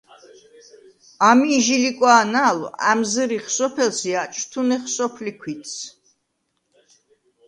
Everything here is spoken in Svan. ამი̄ ჟი ლიკვა̄ნა̄ლვ ა̈მზჷრიხ სოფელს ი აჭთუნეხ სოფლი ქვითს.